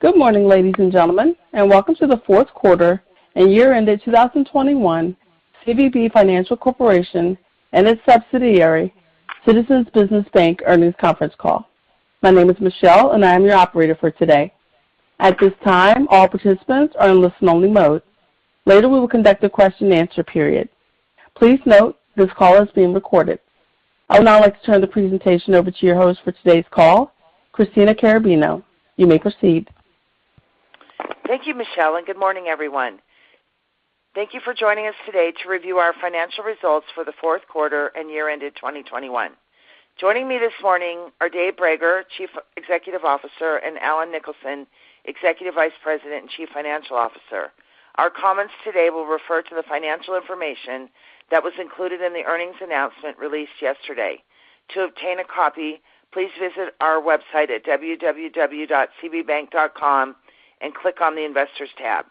Good morning, ladies and gentlemen, and welcome to the fourth quarter and year-ended 2021 CVB Financial Corporation and its subsidiary, Citizens Business Bank earnings conference call. My name is Michelle, and I am your operator for today. At this time, all participants are in listen-only mode. Later, we will conduct a question-and-answer period. Please note this call is being recorded. I would now like to turn the presentation over to your host for today's call, Christina Carrabino. You may proceed. Thank you, Michelle, and good morning, everyone. Thank you for joining us today to review our financial results for the fourth quarter and year ended 2021. Joining me this morning are Dave Brager, Chief Executive Officer, and Allen Nicholson, Executive Vice President and Chief Financial Officer. Our comments today will refer to the financial information that was included in the earnings announcement released yesterday. To obtain a copy, please visit our website at www.cbbank.com and click on the Investors tab.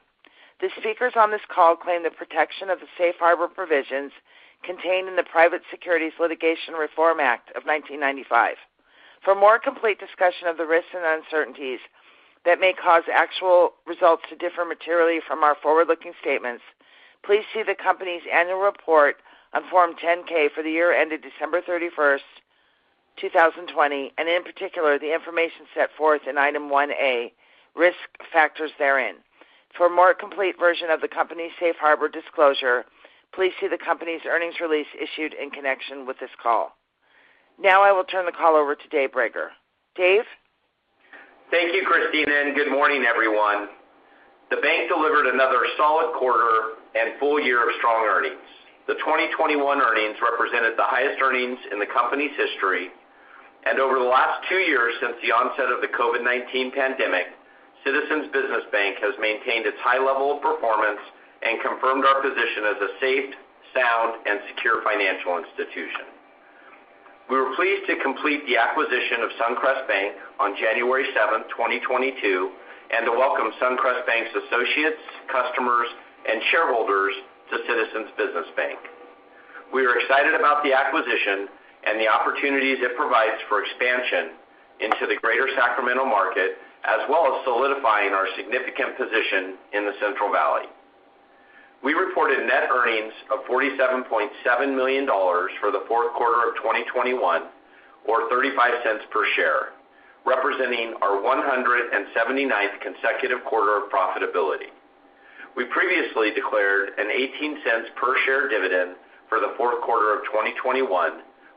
The speakers on this call claim the protection of the safe harbor provisions contained in the Private Securities Litigation Reform Act of 1995. For a more complete discussion of the risks and uncertainties that may cause actual results to differ materially from our forward-looking statements, please see the company's annual report on Form 10-K for the year ended December 31, 2020, and in particular, the information set forth in Item 1A, Risk Factors therein. For a more complete version of the company's safe harbor disclosure, please see the company's earnings release issued in connection with this call. Now I will turn the call over to Dave Brager. Dave? Thank you, Christina, and good morning, everyone. The bank delivered another solid quarter and full year of strong earnings. The 2021 earnings represented the highest earnings in the company's history, and over the last two years since the onset of the COVID-19 pandemic, Citizens Business Bank has maintained its high level of performance and confirmed our position as a safe, sound, and secure financial institution. We were pleased to complete the acquisition of Suncrest Bank on January 7, 2022, and to welcome Suncrest Bank's associates, customers, and shareholders to Citizens Business Bank. We are excited about the acquisition and the opportunities it provides for expansion into the greater Sacramento market, as well as solidifying our significant position in the Central Valley. We reported net earnings of $47.7 million for the fourth quarter of 2021 or 35 cents per share, representing our 179th consecutive quarter of profitability. We previously declared an 18 cents per share dividend for the fourth quarter of 2021,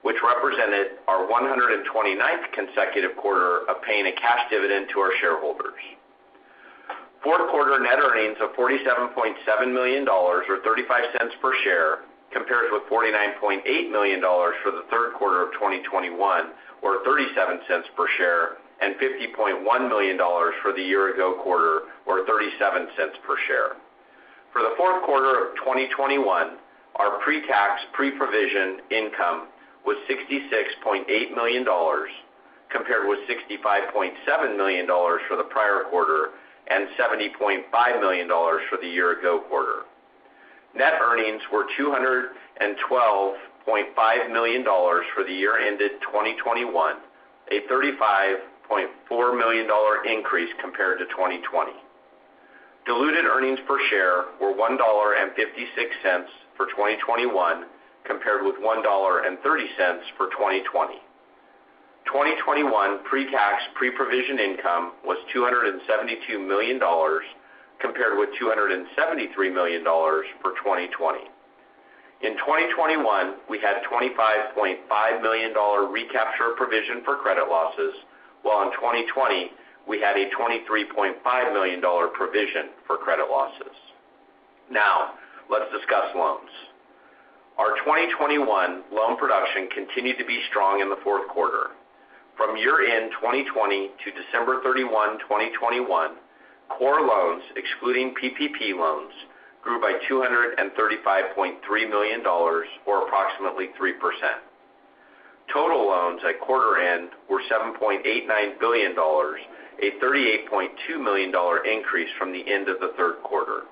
which represented our 129th consecutive quarter of paying a cash dividend to our shareholders. Fourth quarter net earnings of $47.7 million or 35 cents per share compares with $49.8 million for the third quarter of 2021 or 37 cents per share, and $50.1 million for the year ago quarter or 37 cents per share. For the fourth quarter of 2021, our pre-tax, pre-provision income was $66.8 million compared with $65.7 million for the prior quarter and $70.5 million for the year ago quarter. Net earnings were $212.5 million for the year ended 2021, a $35.4 million increase compared to 2020. Diluted earnings per share were $1.56 for 2021 compared with $1.30 for 2020. 2021 pre-tax, pre-provision income was $272 million compared with $273 million for 2020. In 2021, we had a $25.5 million recapture provision for credit losses, while in 2020, we had a $23.5 million provision for credit losses. Now, let's discuss loans. Our 2021 loan production continued to be strong in the fourth quarter. From year-end 2020 to December 31, 2021, core loans, excluding PPP loans, grew by $235.3 million or approximately 3%. Total loans at quarter end were $7.89 billion, a $38.2 million dollar increase from the end of the third quarter.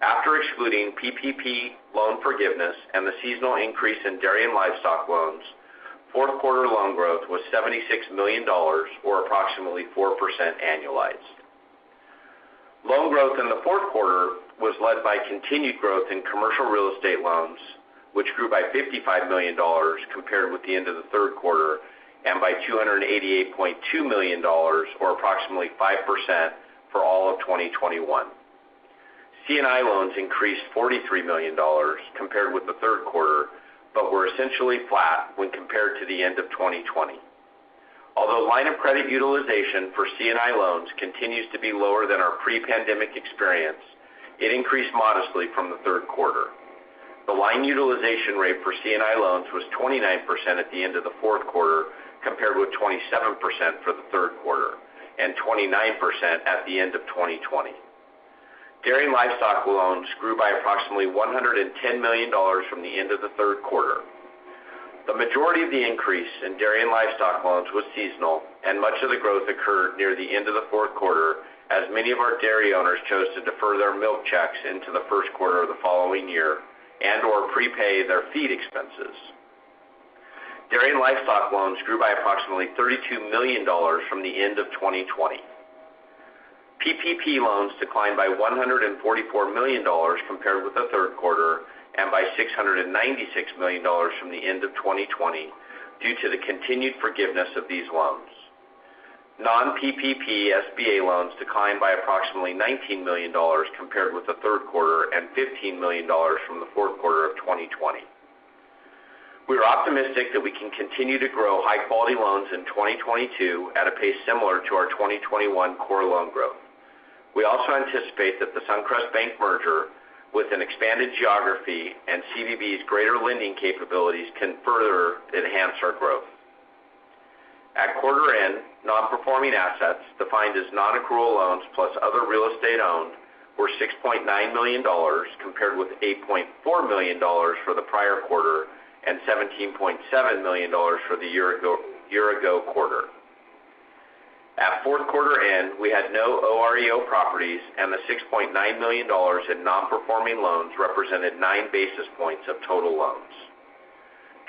After excluding PPP loan forgiveness and the seasonal increase in dairy and livestock loans, fourth quarter loan growth was $76 million or approximately 4% annualized. Loan growth in the fourth quarter was led by continued growth in commercial real estate loans, which grew by $55 million compared with the end of the third quarter and by $288.2 million or approximately 5% for all of 2021. C&I loans increased $43 million compared with the third quarter but were essentially flat when compared to the end of 2020. Although line of credit utilization for C&I loans continues to be lower than our pre-pandemic experience, it increased modestly from the third quarter. The line utilization rate for C&I loans was 29% at the end of the fourth quarter compared with 27% for the third quarter and 29% at the end of 2020. Dairy and livestock loans grew by approximately $110 million from the end of the third quarter. The majority of the increase in dairy and livestock loans was seasonal, and much of the growth occurred near the end of the fourth quarter as many of our dairy owners chose to defer their milk checks into the first quarter of the following year and/or prepay their feed expenses. Dairy and livestock loans grew by approximately $32 million from the end of 2020. PPP loans declined by $144 million compared with the third quarter and by $696 million from the end of 2020 due to the continued forgiveness of these loans. Non-PPP SBA loans declined by approximately $19 million compared with the third quarter and $15 million from the fourth quarter of 2020. We are optimistic that we can continue to grow high-quality loans in 2022 at a pace similar to our 2021 core loan growth. We also anticipate that the Suncrest Bank merger with an expanded geography and CVB's greater lending capabilities can further enhance our growth. At quarter end, non-performing assets defined as non-accrual loans plus other real estate owned were $6.9 million compared with $8.4 million for the prior quarter and $17.7 million for the year ago quarter. At fourth quarter end, we had no OREO properties, and the $6.9 million in non-performing loans represented nine basis points of total loans.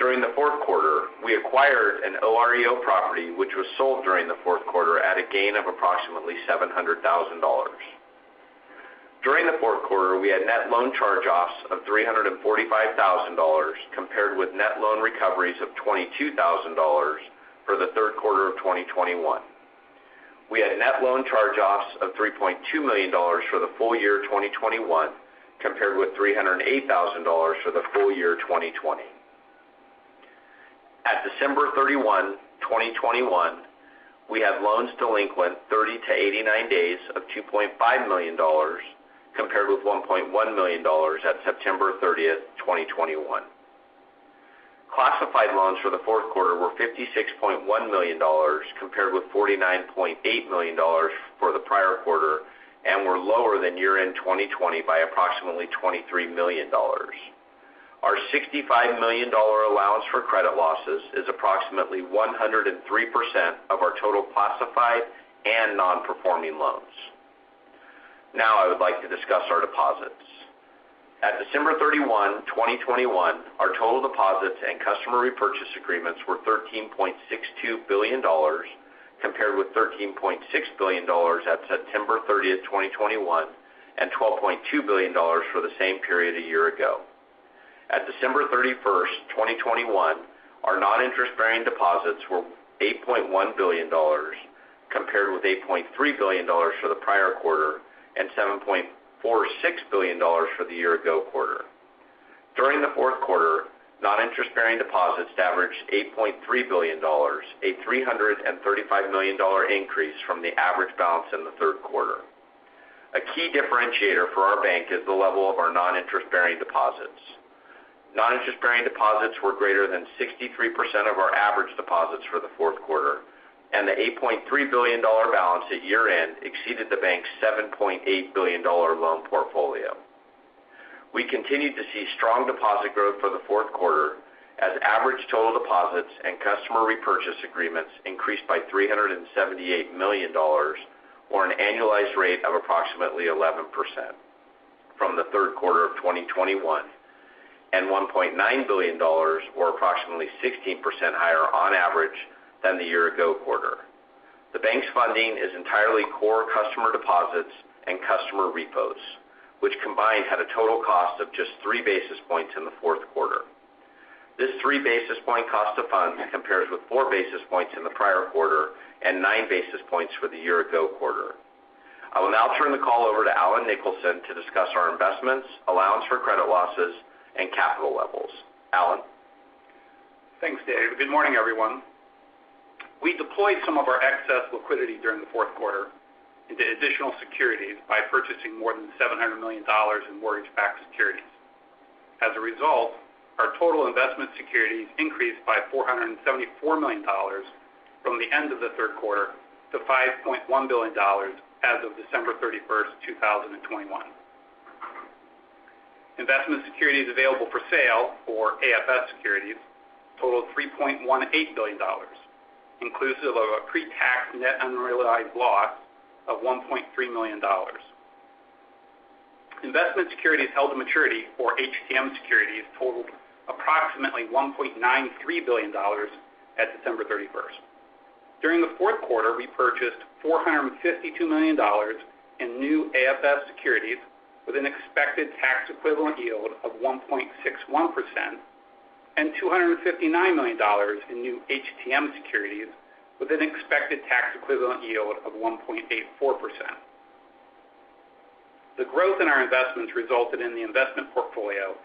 During the fourth quarter, we acquired an OREO property which was sold during the fourth quarter at a gain of approximately $700,000. During the fourth quarter, we had net loan charge-offs of $345,000 compared with net loan recoveries of $22,000 for the third quarter of 2021. We had net loan charge-offs of $3.2 million for the full year 2021 compared with $308,000 for the full year 2020. At December 31, 2021, we have loans delinquent 30-89 days of $2.5 million compared with $1.1 million at September 30, 2021. Classified loans for the fourth quarter were $56.1 million compared with $49.8 million for the prior quarter and were lower than year-end 2020 by approximately $23 million. Our $65 million allowance for credit losses is approximately 103% of our total classified and non-performing loans. Now I would like to discuss our deposits. At December 31, 2021, our total deposits and customer repurchase agreements were $13.62 billion compared with $13.6 billion at September 30, 2021, and $12.2 billion for the same period a year ago. At December 31, 2021, our non-interest-bearing deposits were $8.1 billion compared with $8.3 billion for the prior quarter and $7.46 billion for the year ago quarter. During the fourth quarter, non-interest-bearing deposits averaged $8.3 billion, a $335 million increase from the average balance in the third quarter. A key differentiator for our bank is the level of our non-interest-bearing deposits. Non-interest-bearing deposits were greater than 63% of our average deposits for the fourth quarter, and the $8.3 billion balance at year-end exceeded the bank's $7.8 billion loan portfolio. We continued to see strong deposit growth for the fourth quarter as average total deposits and customer repurchase agreements increased by $378 million, or an annualized rate of approximately 11% from the third quarter of 2021, and $1.9 billion or approximately 16% higher on average than the year ago quarter. The bank's funding is entirely core customer deposits and customer repos, which combined had a total cost of just three basis points in the fourth quarter. This three basis point cost of funds compares with four basis points in the prior quarter and nine basis points for the year ago quarter. I will now turn the call over to Allen Nicholson to discuss our investments, allowance for credit losses, and capital levels. Allen? Thanks, Dave. Good morning, everyone. We deployed some of our excess liquidity during the fourth quarter into additional securities by purchasing more than $700 million in mortgage-backed securities. As a result, our total investment securities increased by $474 million from the end of the third quarter to $5.1 billion as of December 31, 2021. Investment securities available for sale or AFS securities totaled $3.18 billion, inclusive of a pre-tax net unrealized loss of $1.3 million. Investment securities held to maturity or HTM securities totaled approximately $1.93 billion at December 31. During the fourth quarter, we purchased $452 million in new AFS securities with an expected tax equivalent yield of 1.61% and $259 million in new HTM securities with an expected tax equivalent yield of 1.84%. The growth in our investments resulted in the investment portfolio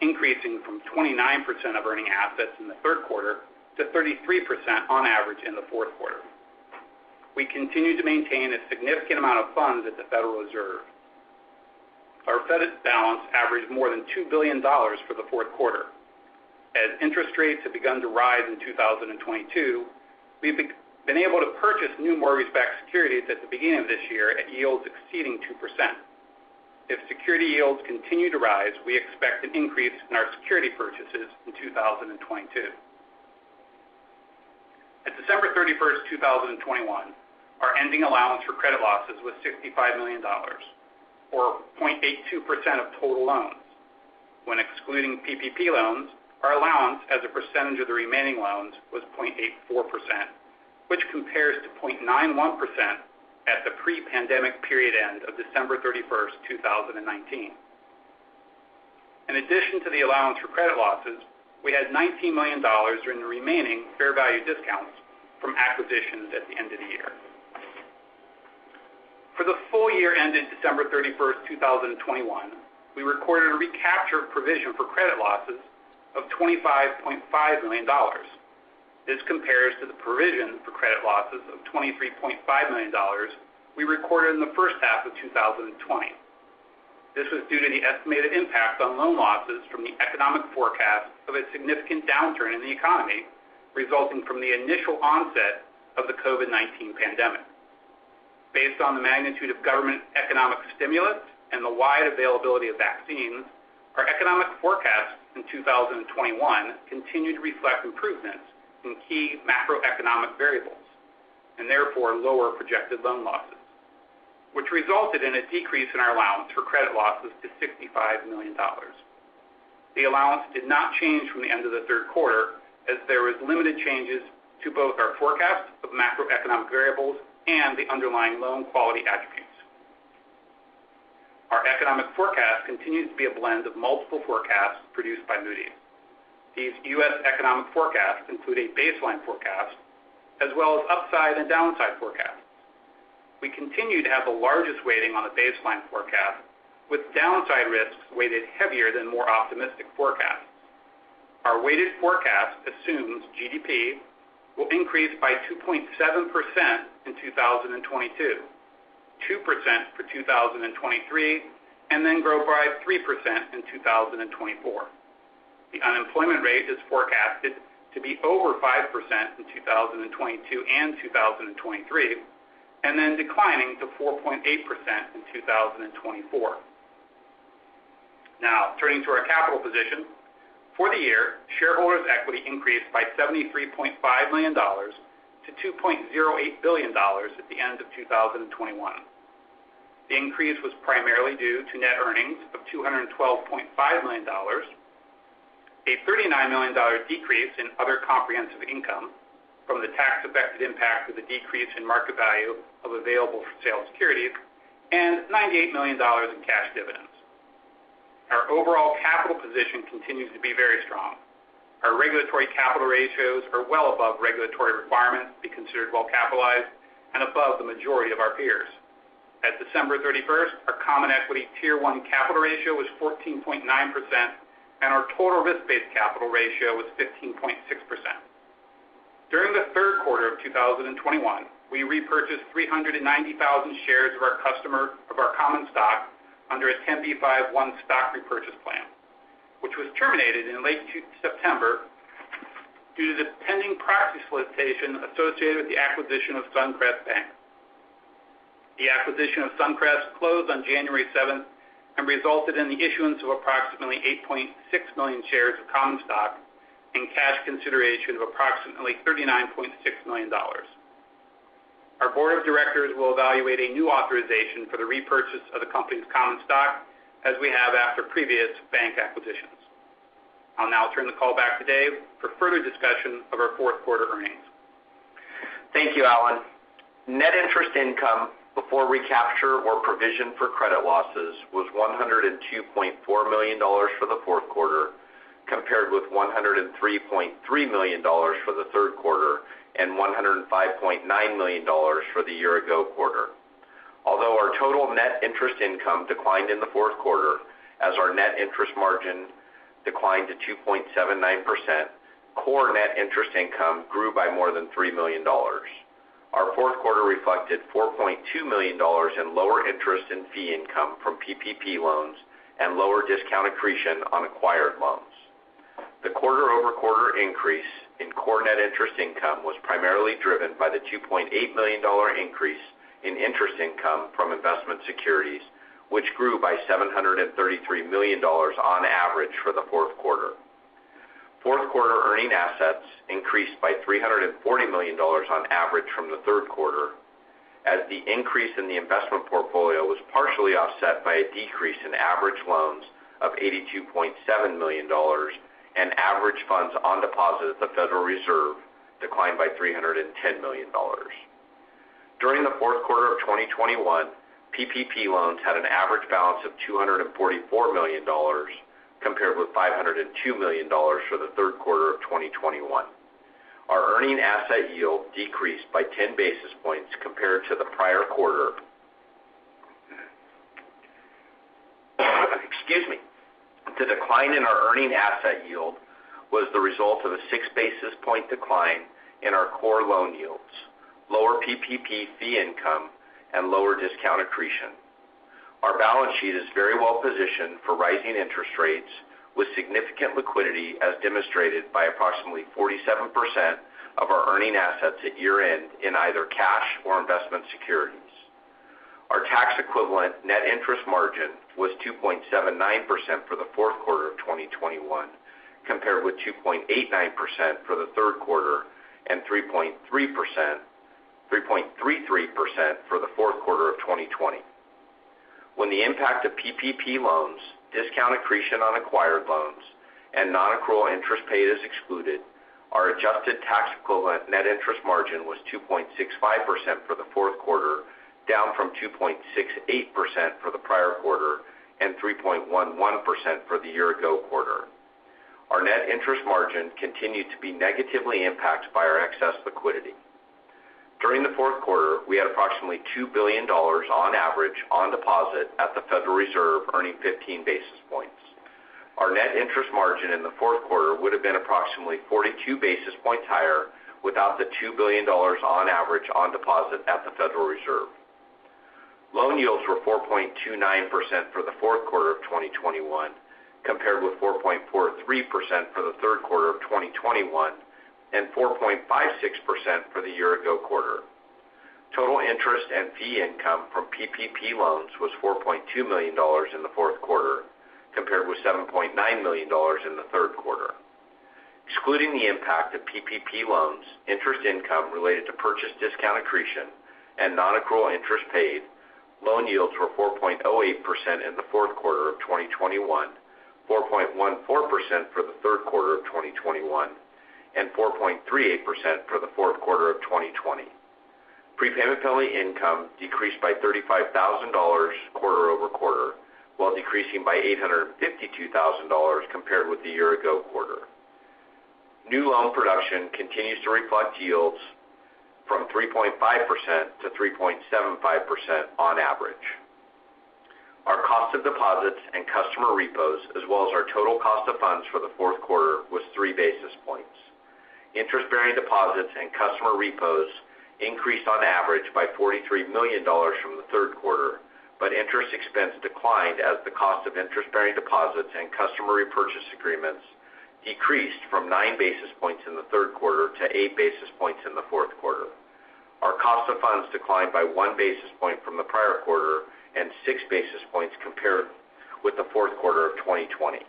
increasing from 29% of earning assets in the third quarter to 33% on average in the fourth quarter. We continue to maintain a significant amount of funds at the Federal Reserve. Our Fed balance averaged more than $2 billion for the fourth quarter. As interest rates have begun to rise in 2022, we've been able to purchase new mortgage-backed securities at the beginning of this year at yields exceeding 2%. If security yields continue to rise, we expect an increase in our security purchases in 2022. At December 31st, 2021, our ending allowance for credit losses was $65 million or 0.82% of total loans. When excluding PPP loans, our allowance as a percentage of the remaining loans was 0.84%, which compares to 0.91% at the pre-pandemic period end of December 31st, 2019. In addition to the allowance for credit losses, we had $19 million in remaining fair value discounts from acquisitions at the end of the year. For the full year ended December 31st, 2021, we recorded a recapture provision for credit losses of $25.5 million. This compares to the provision for credit losses of $23.5 million we recorded in the first half of 2020. This was due to the estimated impact on loan losses from the economic forecast of a significant downturn in the economy, resulting from the initial onset of the COVID-19 pandemic. Based on the magnitude of government economic stimulus and the wide availability of vaccines, our economic forecast in 2021 continued to reflect improvements in key macroeconomic variables and therefore lower projected loan losses, which resulted in a decrease in our allowance for credit losses to $65 million. The allowance did not change from the end of the third quarter as there was limited changes to both our forecast of macroeconomic variables and the underlying loan quality attributes. Our economic forecast continues to be a blend of multiple forecasts produced by Moody's. These US economic forecasts include a baseline forecast as well as upside and downside forecasts. We continue to have the largest weighting on a baseline forecast, with downside risks weighted heavier than more optimistic forecasts. Our weighted forecast assumes GDP will increase by 2.7% in 2022, 2% for 2023, and then grow by 3% in 2024. The unemployment rate is forecasted to be over 5% in 2022 and 2023, and then declining to 4.8% in 2024. Now turning to our capital position. For the year, shareholders equity increased by $73.5 million to $2.08 billion at the end of 2021. The increase was primarily due to net earnings of $212.5 million, a $39 million decrease in other comprehensive income from the tax-affected impact of the decrease in market value of available for sale securities, and $98 million in cash dividends. Our overall capital position continues to be very strong. Our regulatory capital ratios are well above regulatory requirements to be considered well capitalized and above the majority of our peers. At December thirty-first, our Common Equity Tier one capital ratio was 14.9%, and our total risk-based capital ratio was 15.6%. During the third quarter of 2021, we repurchased 390,000 shares of our common stock under a 10b5-1 stock repurchase plan, which was terminated in late September due to the pending proxy solicitation associated with the acquisition of Suncrest Bank. The acquisition of Suncrest closed on January 7 and resulted in the issuance of approximately 8.6 million shares of common stock and cash consideration of approximately $39.6 million. Our board of directors will evaluate a new authorization for the repurchase of the company's common stock as we have after previous bank acquisitions. I'll now turn the call back to Dave for further discussion of our fourth quarter earnings. Thank you, Allen. Net interest income before recapture or provision for credit losses was $102.4 million for the fourth quarter, compared with $103.3 million for the third quarter and $105.9 million for the year ago quarter. Although our total net interest income declined in the fourth quarter as our net interest margin declined to 2.79%, core net interest income grew by more than $3 million. Our fourth quarter reflected $4.2 million in lower interest in fee income from PPP loans and lower discount accretion on acquired loans. The quarter-over-quarter increase in core net interest income was primarily driven by the $2.8 million increase in interest income from investment securities, which grew by $733 million on average for the fourth quarter. Fourth quarter earning assets increased by $340 million on average from the third quarter as the increase in the investment portfolio was partially offset by a decrease in average loans of $82.7 million, and average funds on deposit at the Federal Reserve declined by $310 million. During the fourth quarter of 2021, PPP loans had an average balance of $244 million, compared with $502 million for the third quarter of 2021. Our earning asset yield decreased by 10 basis points compared to the prior quarter. Excuse me. The decline in our earning asset yield was the result of a six basis points decline in our core loan yields, lower PPP fee income, and lower discount accretion. Our balance sheet is very well positioned for rising interest rates with significant liquidity as demonstrated by approximately 47% of our earning assets at year-end in either cash or investment securities. Equivalent net interest margin was 2.79% for the fourth quarter of 2021, compared with 2.89% for the third quarter and 3.33% for the fourth quarter of 2020. When the impact of PPP loans, discount accretion on acquired loans, and non-accrual interest paid is excluded, our adjusted tax-equivalent net interest margin was 2.65% for the fourth quarter, down from 2.68% for the prior quarter and 3.11% for the year ago quarter. Our net interest margin continued to be negatively impacted by our excess liquidity. During the fourth quarter, we had approximately $2 billion on average on deposit at the Federal Reserve earning 15 basis points. Our net interest margin in the fourth quarter would have been approximately 42 basis points higher without the $2 billion on average on deposit at the Federal Reserve. Loan yields were 4.29% for the fourth quarter of 2021, compared with 4.43% for the third quarter of 2021 and 4.56% for the year ago quarter. Total interest and fee income from PPP loans was $4.2 million in the fourth quarter, compared with $7.9 million in the third quarter. Excluding the impact of PPP loans, interest income related to purchase discount accretion and non-accrual interest paid, loan yields were 4.08% in the fourth quarter of 2021, 4.14% for the third quarter of 2021, and 4.38% for the fourth quarter of 2020. Prepayment penalty income decreased by $35,000 quarter over quarter, while decreasing by $852,000 compared with the year ago quarter. New loan production continues to reflect yields from 3.5%-3.75% on average. Our cost of deposits and customer repos, as well as our total cost of funds for the fourth quarter, was three basis points. Interest-bearing deposits and customer repos increased on average by $43 million from the third quarter, but interest expense declined as the cost of interest-bearing deposits and customer repurchase agreements decreased from nine basis points in the third quarter to eight basis points in the fourth quarter. Our cost of funds declined by one basis point from the prior quarter and six basis points compared with the fourth quarter of 2020.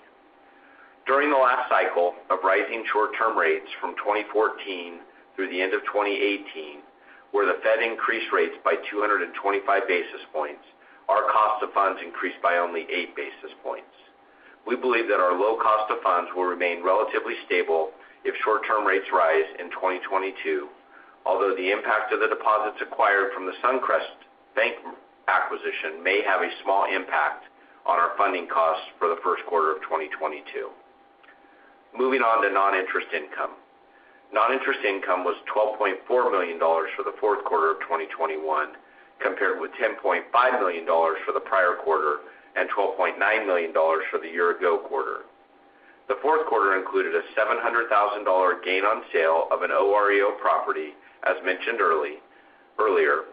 During the last cycle of rising short-term rates from 2014 through the end of 2018, where the Fed increased rates by 225 basis points, our cost of funds increased by only eight basis points. We believe that our low cost of funds will remain relatively stable if short-term rates rise in 2022, although the impact of the deposits acquired from the Suncrest Bank acquisition may have a small impact on our funding costs for the first quarter of 2022. Moving on to non-interest income. Non-interest income was $12.4 million for the fourth quarter of 2021, compared with $10.5 million for the prior quarter and $12.9 million for the year-ago quarter. The fourth quarter included a $700,000 gain on sale of an OREO property, as mentioned earlier,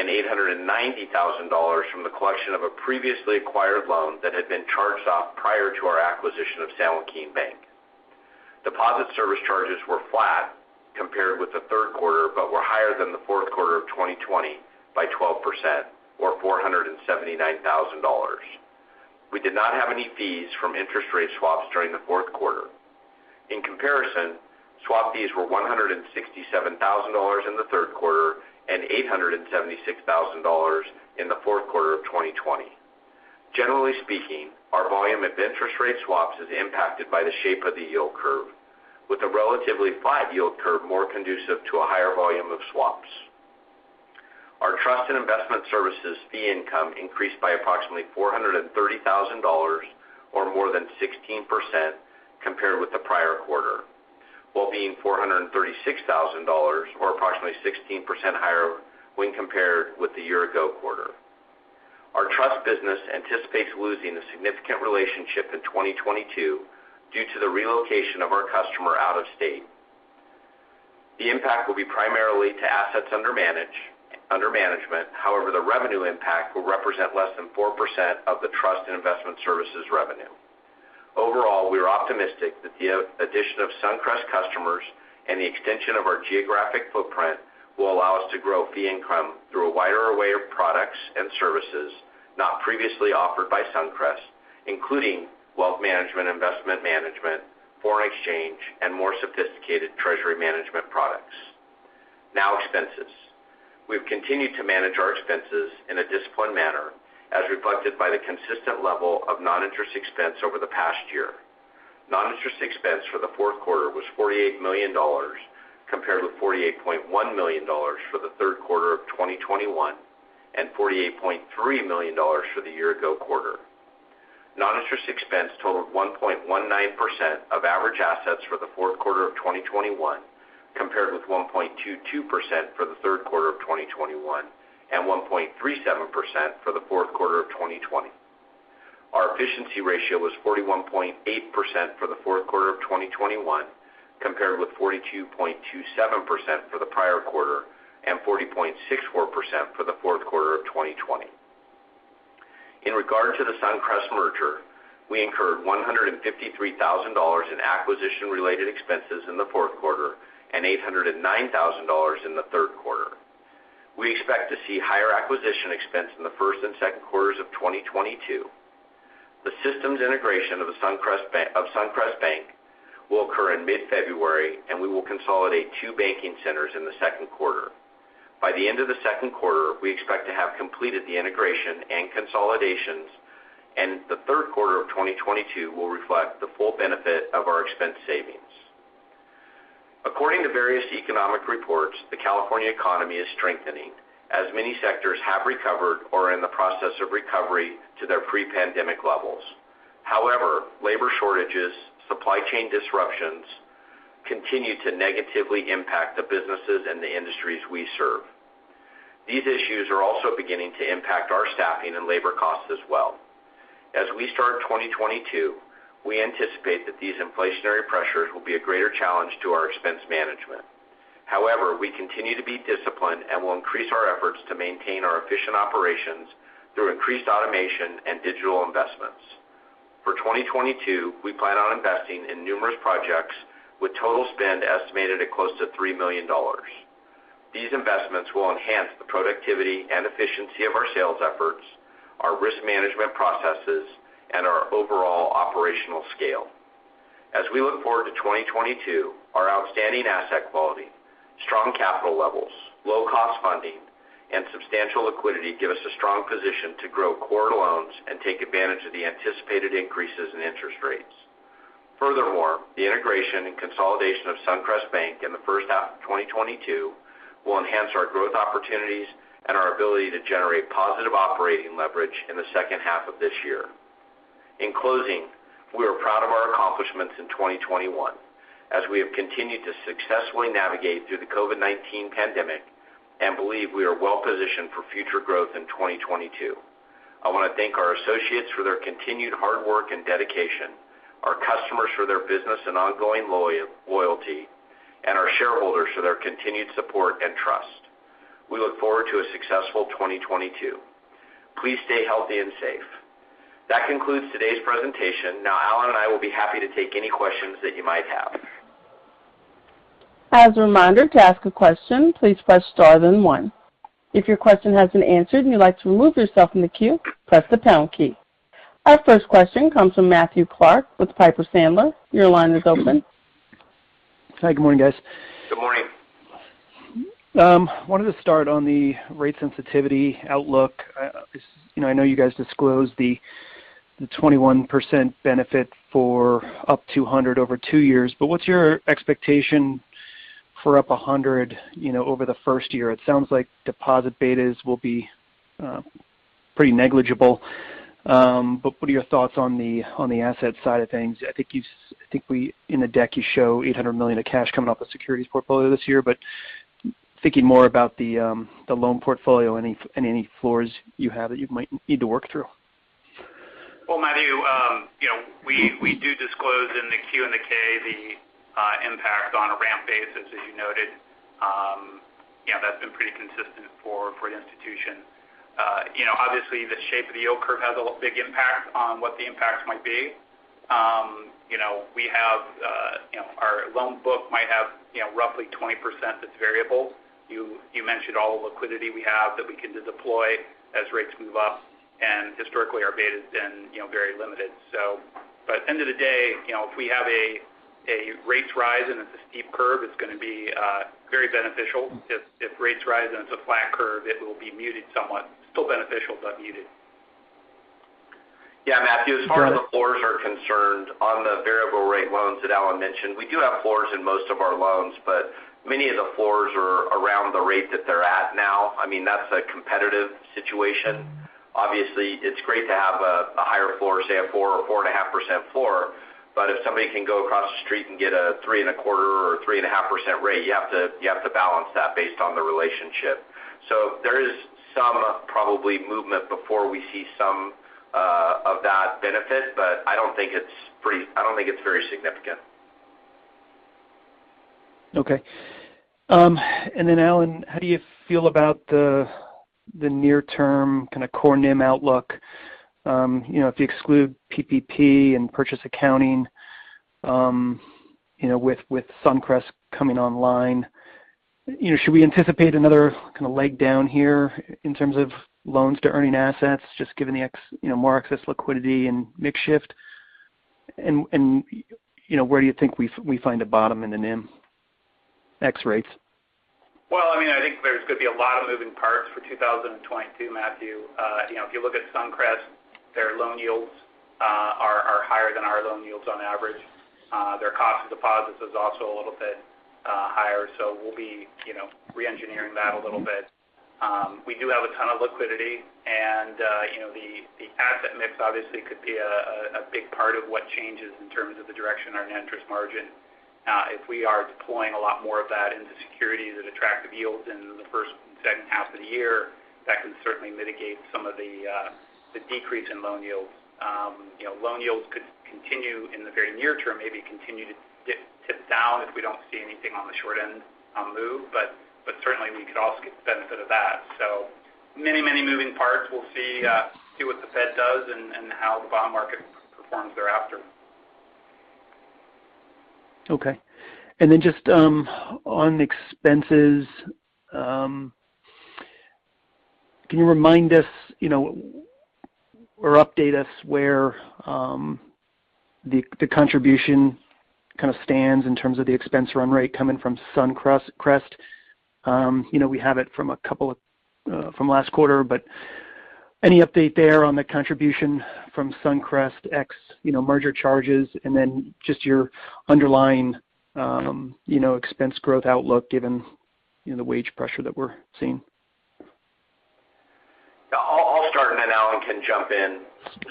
and $890,000 from the collection of a previously acquired loan that had been charged off prior to our acquisition of San Joaquin Bank. Deposit service charges were flat compared with the third quarter, but were higher than the fourth quarter of 2020 by 12% or $479,000. We did not have any fees from interest rate swaps during the fourth quarter. In comparison, swap fees were $167,000 in the third quarter and $876,000 in the fourth quarter of 2020. Generally speaking, our volume of interest rate swaps is impacted by the shape of the yield curve, with a relatively flat yield curve more conducive to a higher volume of swaps. Our trust and investment services fee income increased by approximately $430,000 or more than 16% compared with the prior quarter, while being $436,000 or approximately 16% higher when compared with the year ago quarter. Our trust business anticipates losing a significant relationship in 2022 due to the relocation of our customer out of state. The impact will be primarily to assets under management. However, the revenue impact will represent less than 4% of the trust and investment services revenue. Overall, we are optimistic that the addition of Suncrest customers and the extension of our geographic footprint will allow us to grow fee income through a wider array of products and services not previously offered by Suncrest, including wealth management, investment management, foreign exchange, and more sophisticated treasury management products. Now expenses. We've continued to manage our expenses in a disciplined manner, as reflected by the consistent level of non-interest expense over the past year. Non-interest expense for the fourth quarter was $48 million, compared with $48.1 million for the third quarter of 2021 and $48.3 million for the year ago quarter. Non-interest expense totaled 1.19% of average assets for the fourth quarter of 2021, compared with 1.22% for the third quarter of 2021 and 1.37% for the fourth quarter of 2020. Our efficiency ratio was 41.8% for the fourth quarter of 2021, compared with 42.27% for the prior quarter and 40.64% for the fourth quarter of 2020. In regard to the Suncrest merger, we incurred $153,000 in acquisition related expenses in the fourth quarter and $809,000 in the third quarter. We expect to see higher acquisition expense in the first and second quarters of 2022. The systems integration of Suncrest Bank will occur in mid-February, and we will consolidate two banking centers in the second quarter. By the end of the second quarter, we expect to have completed the integration and consolidations, and the third quarter of 2022 will reflect the full benefit of our expense savings. According to various economic reports, the California economy is strengthening as many sectors have recovered or are in the process of recovery to their pre-pandemic levels. However, labor shortages, supply chain disruptions continue to negatively impact the businesses and the industries we serve. These issues are also beginning to impact our staffing and labor costs as well. As we start 2022, we anticipate that these inflationary pressures will be a greater challenge to our expense management. However, we continue to be disciplined and will increase our efforts to maintain our efficient operations through increased automation and digital investments. For 2022, we plan on investing in numerous projects with total spend estimated at close to $3 million. These investments will enhance the productivity and efficiency of our sales efforts, our risk management processes, and our overall operational scale. As we look forward to 2022, our outstanding asset quality, strong capital levels, low cost funding, and substantial liquidity give us a strong position to grow core loans and take advantage of the anticipated increases in interest rates. Furthermore, the integration and consolidation of Suncrest Bank in the first half of 2022 will enhance our growth opportunities and our ability to generate positive operating leverage in the second half of this year. In closing, we are proud of our accomplishments in 2021 as we have continued to successfully navigate through the COVID-19 pandemic and believe we are well-positioned for future growth in 2022. I want to thank our associates for their continued hard work and dedication, our customers for their business and ongoing loyalty, and our shareholders for their continued support and trust. We look forward to a successful 2022. Please stay healthy and safe. That concludes today's presentation. Now, Allen and I will be happy to take any questions that you might have. As a reminder, to ask a question, please press star then one. If your question has been answered and you'd like to remove yourself from the queue, press the pound key. Our first question comes from Matthew Clark with Piper Sandler. Your line is open. Hi. Good morning, guys. Good morning. Wanted to start on the rate sensitivity outlook. You know, I know you guys disclosed the 21% benefit for up 100 over two years. What's your expectation for up 100, you know, over the first year? It sounds like deposit betas will be pretty negligible. What are your thoughts on the asset side of things? I think in the deck you show $800 million of cash coming off the securities portfolio this year. Thinking more about the loan portfolio, any floors you have that you might need to work through. Well, Matthew, you know, we do disclose in the Q and the K the impact on a ramp basis, as you noted. You know, that's been pretty consistent for the institution. You know, obviously, the shape of the yield curve has a big impact on what the impacts might be. You know, we have you know our loan book might have you know roughly 20% that's variable. You mentioned all the liquidity we have that we can deploy as rates move up, and historically our beta's been you know very limited. By the end of the day, you know, if we have a rates rise and it's a steep curve, it's going to be very beneficial. If rates rise and it's a flat curve, it will be muted somewhat. Still beneficial, but muted. Yeah, Matthew, as far as the floors are concerned on the variable rate loans that Allan mentioned, we do have floors in most of our loans, but many of the floors are around the rate that they're at now. I mean, that's a competitive situation. Obviously, it's great to have a higher floor, say a 4% or 4.5% floor. But if somebody can go across the street and get a 3.25% or 3.5% rate, you have to balance that based on the relationship. So there is some probably movement before we see some of that benefit, but I don't think it's very significant. Okay. Allen, how do you feel about the near term kind of core NIM outlook? You know, if you exclude PPP and purchase accounting, you know, with Suncrest coming online, you know, should we anticipate another kind of leg down here in terms of loans to earning assets just given the excess liquidity and mix shift? You know, where do you think we find a bottom in the NIM ex rates? Well, I mean, I think there's going to be a lot of moving parts for 2022, Matthew. You know, if you look at Suncrest, their loan yields are higher than our loan yields on average. Their cost of deposits is also a little bit higher. We'll be, you know, re-engineering that a little bit. We do have a ton of liquidity and, you know, the asset mix obviously could be a big part of what changes in terms of the direction on our interest margin. If we are deploying a lot more of that into securities at attractive yields in the first and second half of the year, that can certainly mitigate some of the decrease in loan yields. You know, loan yields could continue in the very near term, maybe continue to dip down if we don't see anything on the short end move. Certainly we could also get the benefit of that. Many moving parts. We'll see what the Fed does and how the bond market performs thereafter. Okay. Then just on expenses, can you remind us, you know, or update us where the contribution kind of stands in terms of the expense run rate coming from Suncrest? You know, we have it from last quarter, but any update there on the contribution from Suncrest ex, you know, merger charges and then just your underlying expense growth outlook given the wage pressure that we're seeing. I'll start and then Alan can jump in.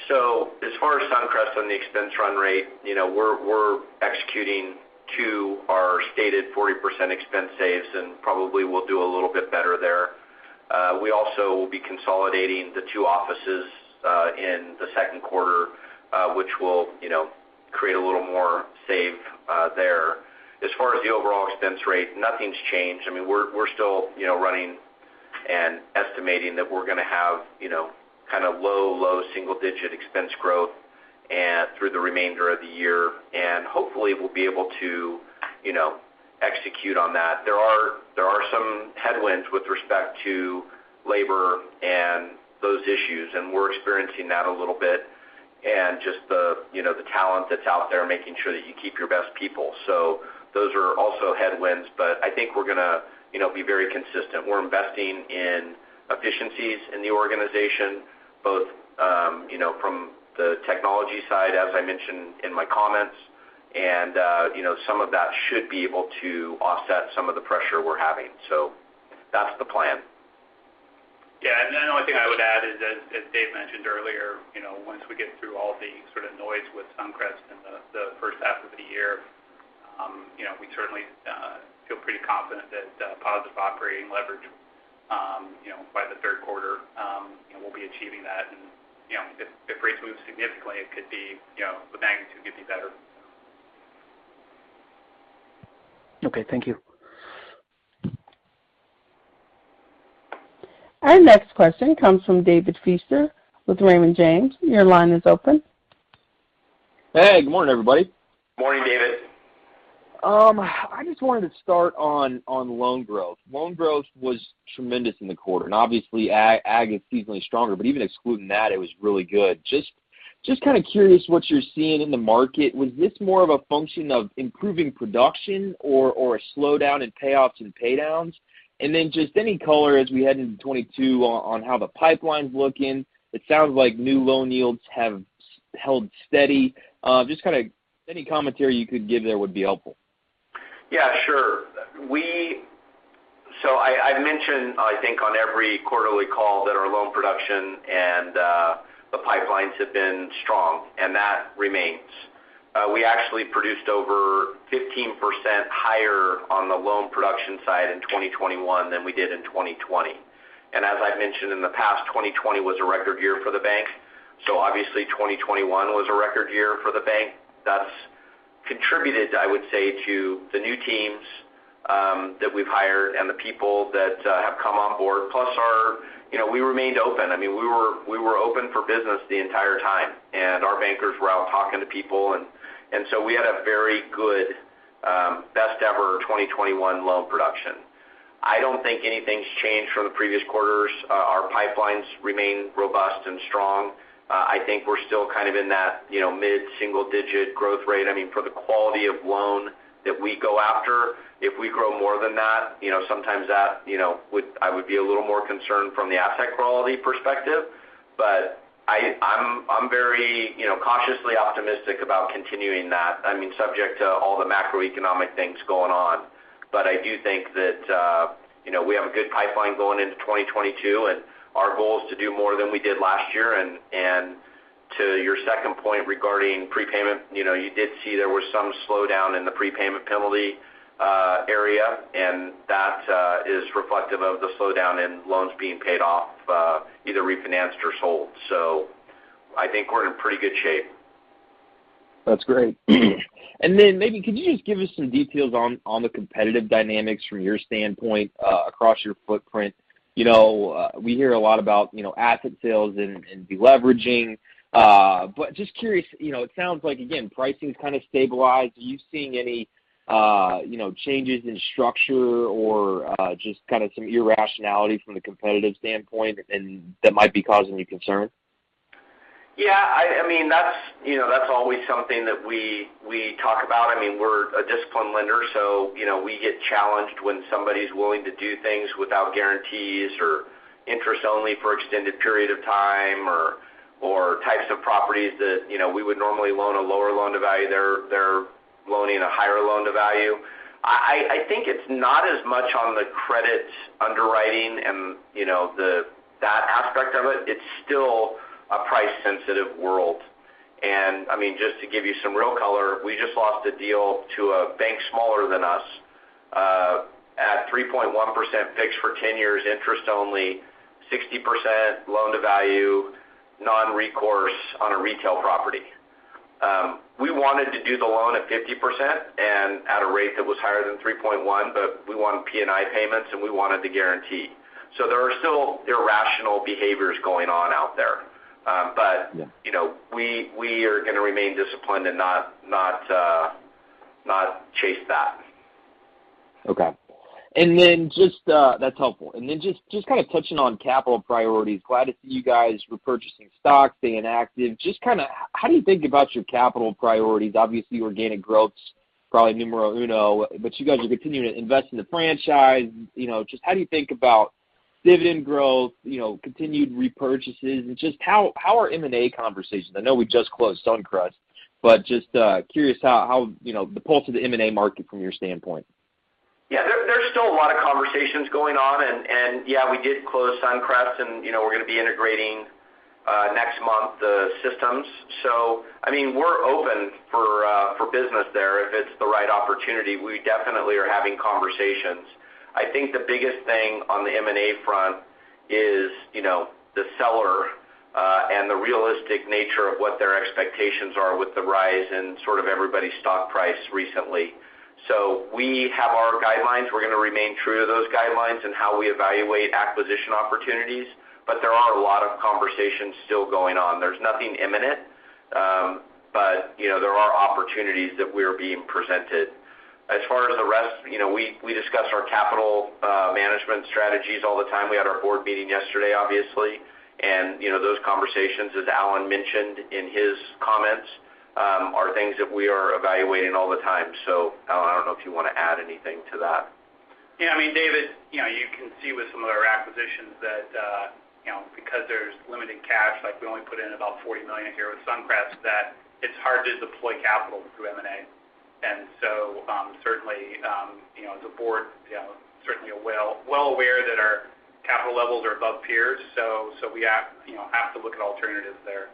So as far as Suncrest on the expense run rate, you know, we're executing to our stated 40% expense saves, and probably we'll do a little bit better there. We also will be consolidating the two offices in the second quarter, which will, you know, create a little more save there. As far as the overall expense rate, nothing's changed. I mean, we're still, you know, running and estimating that we're gonna have, you know, kind of low single digit expense growth through the remainder of the year. Hopefully we'll be able to, you know, execute on that. There are some headwinds with respect to labor and those issues, and we're experiencing that a little bit. Just the, you know, the talent that's out there, making sure that you keep your best people. Those are also headwinds, but I think we're gonna, you know, be very consistent. We're investing in efficiencies in the organization, both, you know, from the technology side, as I mentioned in my comments. You know, some of that should be able to offset some of the pressure we're having. That's the plan. Yeah. Then the only thing I would add is that, as Dave mentioned earlier, you know, once we get through all the sort of noise with Suncrest in the first half of the year, you know, we certainly feel pretty confident that positive operating leverage, you know, by the third quarter, you know, we'll be achieving that. You know, if rates move significantly, it could be, you know, the magnitude could be better. Okay, thank you. Our next question comes from David Feaster with Raymond James. Your line is open. Hey, good morning, everybody. Morning, David. I just wanted to start on loan growth. Loan growth was tremendous in the quarter, and obviously ag is seasonally stronger, but even excluding that it was really good. Just kind of curious what you're seeing in the market. Was this more of a function of improving production or a slowdown in payoffs and paydowns? Then just any color as we head into 2022 on how the pipeline's looking. It sounds like new loan yields have held steady. Just kind of any commentary you could give there would be helpful. Yeah, sure. I've mentioned, I think on every quarterly call that our loan production and the pipelines have been strong, and that remains. We actually produced over 15% higher on the loan production side in 2021 than we did in 2020. I've mentioned in the past, 2020 was a record year for the bank. Obviously, 2021 was a record year for the bank. That's contributed, I would say, to the new teams that we've hired and the people that have come on board, plus our, you know, we remained open. I mean, we were open for business the entire time, and our bankers were out talking to people. We had a very good, best ever 2021 loan production. I don't think anything's changed from the previous quarters. Our pipelines remain robust and strong. I think we're still kind of in that, you know, mid-single digit growth rate. I mean, for the quality of loan that we go after, if we grow more than that, you know, sometimes that, you know, I would be a little more concerned from the asset quality perspective. But I'm very, you know, cautiously optimistic about continuing that. I mean, subject to all the macroeconomic things going on. But I do think that, you know, we have a good pipeline going into 2022, and our goal is to do more than we did last year. To your second point regarding prepayment, you know, you did see there was some slowdown in the prepayment penalty area, and that is reflective of the slowdown in loans being paid off, either refinanced or sold. I think we're in pretty good shape. That's great. Then maybe could you just give us some details on the competitive dynamics from your standpoint across your footprint? You know, we hear a lot about, you know, asset sales and de-leveraging. Just curious, you know, it sounds like, again, pricing's kind of stabilized. Are you seeing any, you know, changes in structure or just kind of some irrationality from the competitive standpoint and that might be causing you concern? Yeah, I mean, that's, you know, that's always something that we talk about. I mean, we're a disciplined lender, so, you know, we get challenged when somebody's willing to do things without guarantees or interest only for extended period of time or types of properties that, you know, we would normally loan a lower loan-to-value. They're loaning a higher loan-to-value. I think it's not as much on the credit underwriting and, you know, that aspect of it. It's still a price sensitive world. I mean, just to give you some real color, we just lost a deal to a bank smaller than us at 3.1% fixed for 10 years interest only, 60% loan-to-value, non-recourse on a retail property. We wanted to do the loan at 50%. It was higher than 3.1%, but we want P&I payments, and we wanted the guarantee. There are still irrational behaviors going on out there. Yeah. You know, we are gonna remain disciplined and not chase that. Okay. Just, that's helpful. Just kind of touching on capital priorities. Glad to see you guys repurchasing stocks, staying active. Just kind of how do you think about your capital priorities? Obviously, organic growth's probably numero uno, but you guys are continuing to invest in the franchise. You know, just how do you think about dividend growth, you know, continued repurchases, and just how are M&A conversations? I know we just closed Suncrest, but just curious how, you know, the pulse of the M&A market from your standpoint. Yeah. There's still a lot of conversations going on. Yeah, we did close Suncrest, and you know, we're gonna be integrating next month the systems. I mean, we're open for business there if it's the right opportunity. We definitely are having conversations. I think the biggest thing on the M&A front is, you know, the seller and the realistic nature of what their expectations are with the rise in sort of everybody's stock price recently. We have our guidelines. We're gonna remain true to those guidelines and how we evaluate acquisition opportunities, but there are a lot of conversations still going on. There's nothing imminent, but you know, there are opportunities that we're being presented. As far as the rest, you know, we discuss our capital management strategies all the time. We had our board meeting yesterday, obviously. you know, those conversations, as Allen mentioned in his comments, are things that we are evaluating all the time. Allen, I don't know if you wanna add anything to that. Yeah. I mean, David, you know, you can see with some of our acquisitions that, you know, because there's limited cash, like we only put in about $40 million here with Suncrest, that it's hard to deploy capital through M&A. Certainly, you know, the board, you know, certainly are well aware that our capital levels are above peers, so we have to look at alternatives there.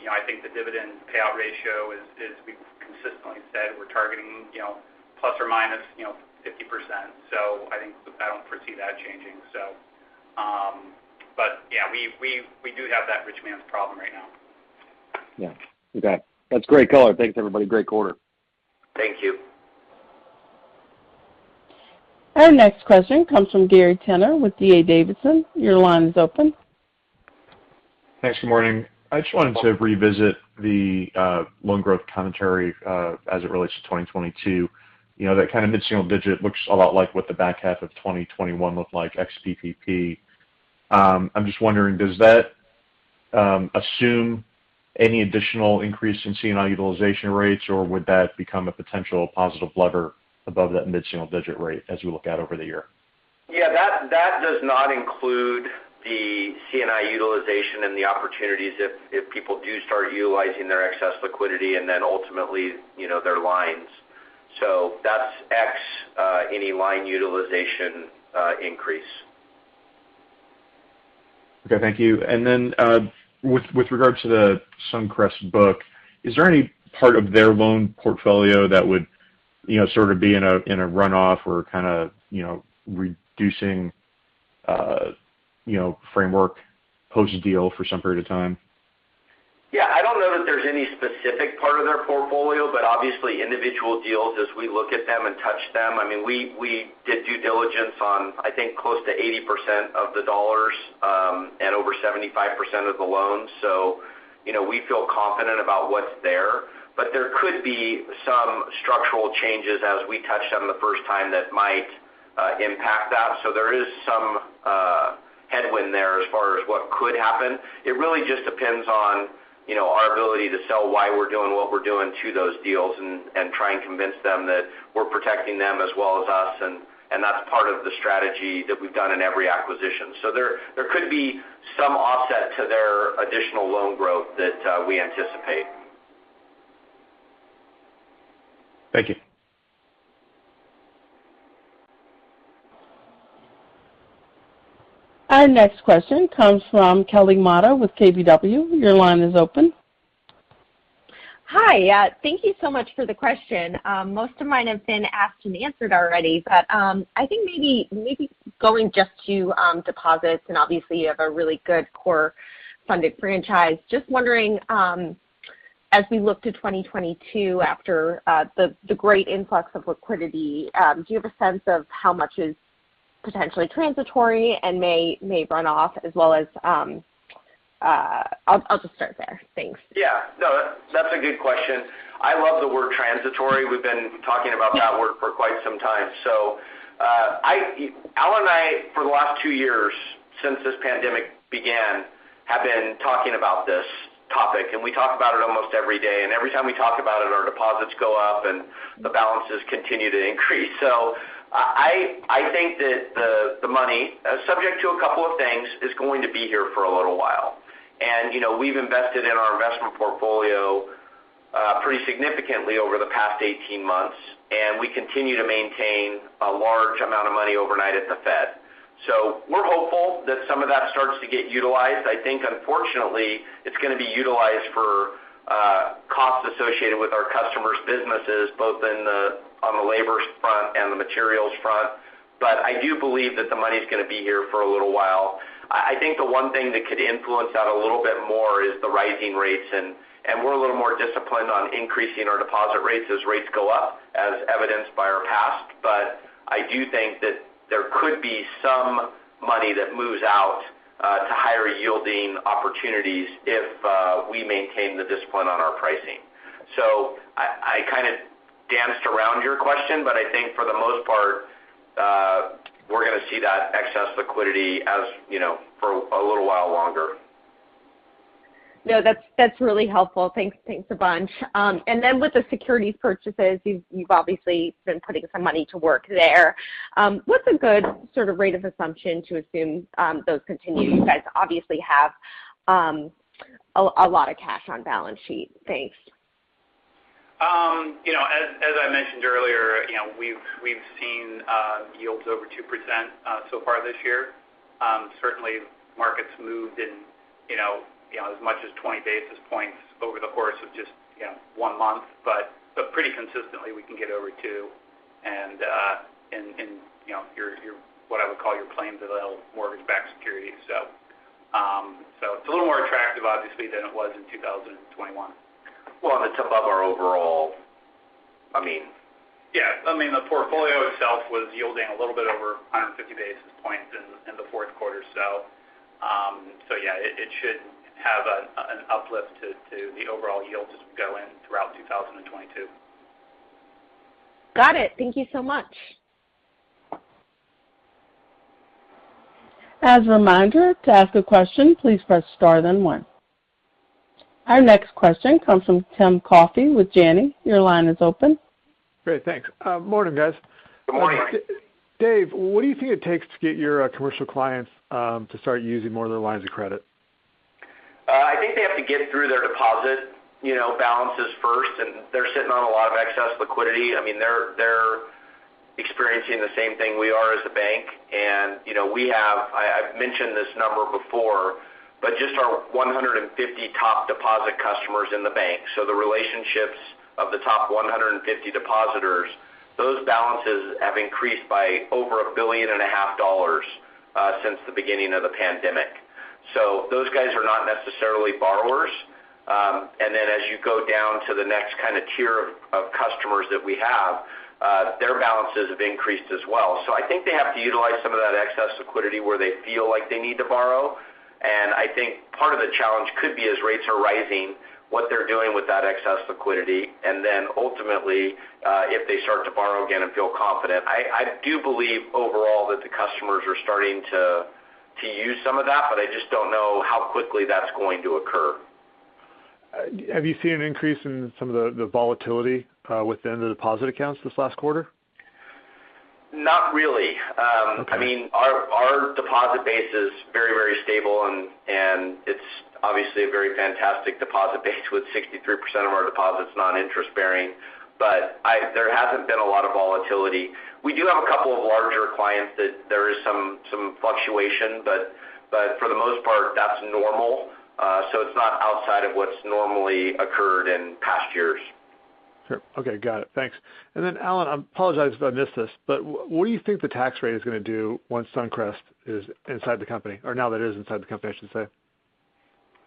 You know, I think the dividend payout ratio is we've consistently said we're targeting, you know, plus or minus, you know, 50%. I think I don't foresee that changing, so. Yeah, we do have that rich man's problem right now. Yeah. Okay. That's great color. Thanks, everybody. Great quarter. Thank you. Our next question comes from Gary Tenner with D.A. Davidson. Your line is open. Thanks. Good morning. I just wanted to revisit the loan growth commentary as it relates to 2022. You know, that kind of mid-single digit looks a lot like what the back half of 2021 looked like ex PPP. I'm just wondering, does that assume any additional increase in C&I utilization rates, or would that become a potential positive lever above that mid-single digit rate as we look out over the year? Yeah, that does not include the C&I utilization and the opportunities if people do start utilizing their excess liquidity and then ultimately, you know, their lines. That's ex any line utilization increase. Okay. Thank you. With regards to the Suncrest book, is there any part of their loan portfolio that would, you know, sort of be in a runoff or kind of, you know, reducing framework post-deal for some period of time? Yeah. I don't know that there's any specific part of their portfolio, but obviously individual deals as we look at them and touch them. I mean, we did due diligence on, I think, close to 80% of the dollars, and over 75% of the loans. You know, we feel confident about what's there. There could be some structural changes as we touch them the first time that might impact that. There is some headwind there as far as what could happen. It really just depends on our ability to sell why we're doing what we're doing to those deals and try and convince them that we're protecting them as well as us, and that's part of the strategy that we've done in every acquisition. There could be some offset to their additional loan growth that we anticipate. Thank you. Our next question comes from Kelly Motta with KBW. Your line is open. Hi. Yeah, thank you so much for the question. Most of mine have been asked and answered already. I think maybe going just to deposits, and obviously you have a really good core funded franchise. Just wondering, as we look to 2022 after the great influx of liquidity, do you have a sense of how much is potentially transitory and may run off? I'll just start there. Thanks. Yeah. No, that's a good question. I love the word transitory. We've been talking about that word for quite some time. Alan and I, for the last two years since this pandemic began, have been talking about this topic, and we talk about it almost every day. Every time we talk about it, our deposits go up, and the balances continue to increase. I think that the money, subject to a couple of things, is going to be here for a little while. You know, we've invested in our investment portfolio pretty significantly over the past 18 months, and we continue to maintain a large amount of money overnight at the Fed. We're hopeful that some of that starts to get utilized. I think unfortunately, it's gonna be utilized for costs associated with our customers' businesses, both on the labor front and the materials front. I do believe that the money's gonna be here for a little while. I think the one thing that could influence that a little bit more is the rising rates and we're a little more disciplined on increasing our deposit rates as rates go up, as evidenced by our past. I do think that there could be some money that moves out to higher yielding opportunities if we maintain the discipline on our pricing. I kind of danced around your question, but I think for the most part, we're gonna see that excess liquidity as you know for a little while longer. No. That's really helpful. Thanks. Thanks a bunch. With the securities purchases, you've obviously been putting some money to work there. What's a good sort of rate of assumption to assume those continue? You guys obviously have a lot of cash on balance sheet. Thanks. You know, as I mentioned earlier, you know, we've seen yields over 2% so far this year. Certainly markets moved and, you know, you know, as much as 20 basis points over the course of just one month. Pretty consistently, we can get over two and you know your what I would call your plain vanilla mortgage-backed securities. It's a little more attractive obviously than it was in 2021. Well, it's above our overall, I mean. Yeah. I mean, the portfolio itself was yielding a little bit over 150 basis points in the fourth quarter. Yeah, it should have an uplift to the overall yield as we go in throughout 2022. Got it. Thank you so much. As a reminder, to ask a question, please press star then one. Our next question comes from Tim Coffey with Janney. Your line is open. Great. Thanks. Morning, guys. Good morning. Dave, what do you think it takes to get your commercial clients to start using more of their lines of credit? I think they have to get through their deposit, you know, balances first, and they're sitting on a lot of excess liquidity. I mean, they're experiencing the same thing we are as a bank. You know, I've mentioned this number before, but just our 150 top deposit customers in the bank, so the relationships of the top 150 depositors, those balances have increased by over $1.5 billion since the beginning of the pandemic. So those guys are not necessarily borrowers. As you go down to the next kind of tier of customers that we have, their balances have increased as well. I think they have to utilize some of that excess liquidity where they feel like they need to borrow, and I think part of the challenge could be as rates are rising, what they're doing with that excess liquidity, and then ultimately, if they start to borrow again and feel confident. I do believe overall that the customers are starting to use some of that, but I just don't know how quickly that's going to occur. Have you seen an increase in some of the volatility within the deposit accounts this last quarter? Not really. Okay. I mean, our deposit base is very stable and it's obviously a very fantastic deposit base with 63% of our deposits non-interest bearing. There hasn't been a lot of volatility. We do have a couple of larger clients that there is some fluctuation, but for the most part that's normal. It's not outside of what's normally occurred in past years. Sure. Okay. Got it. Thanks. Allen, I apologize if I missed this, but what do you think the tax rate is gonna do once Suncrest is inside the company or now that it is inside the company, I should say?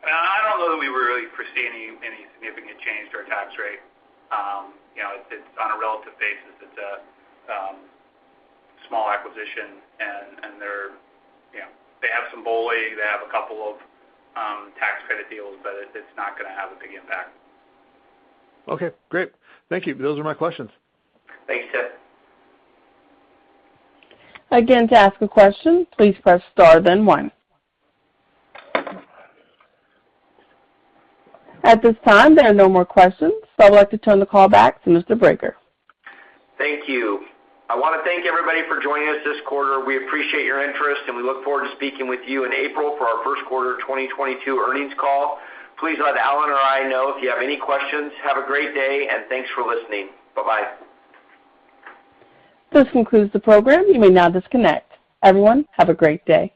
I don't know that we really foresee any significant change to our tax rate. You know, it's on a relative basis, it's a small acquisition and they're, you know, they have some BOLI. They have a couple of tax credit deals, but it's not gonna have a big impact. Okay. Great. Thank you. Those are my questions. Thanks, Tim. Again, to ask a question, please press star, then one. At this time, there are no more questions, so I'd like to turn the call back to Mr. Brager. Thank you. I wanna thank everybody for joining us this quarter. We appreciate your interest, and we look forward to speaking with you in April for our first quarter 2022 earnings call. Please let Allen or I know if you have any questions. Have a great day, and thanks for listening. Bye-bye. This concludes the program. You may now disconnect. Everyone, have a great day.